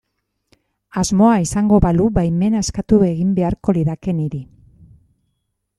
Asmoa izango balu baimena eskatu egin beharko lidake niri.